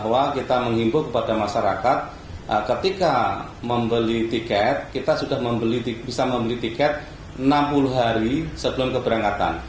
bahwa kita menghimpu kepada masyarakat ketika membeli tiket kita sudah bisa membeli tiket enam puluh hari sebelum keberangkatan